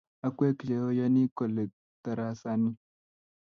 Akweg che oyoni kolet tarasani.